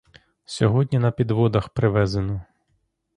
Сьогодні на підводах привезено.